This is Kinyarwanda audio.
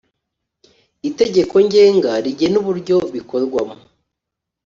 itegeko ngenga rigena uburyo bikorwamo